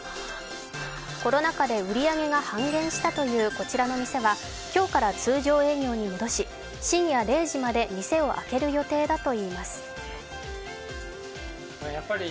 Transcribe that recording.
コロナ禍で売り上げが半減したというこちらの店は今日から通常営業に戻し、深夜０時まで店を開ける予定だといいます。